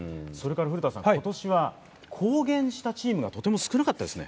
今年は公言したチームがとても少なかったですね。